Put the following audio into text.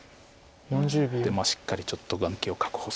しっかりちょっと眼形を確保するかとか。